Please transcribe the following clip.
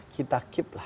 kita keep lah